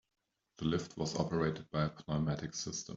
The lift was operated by a pneumatic system.